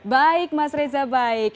baik mas reza baik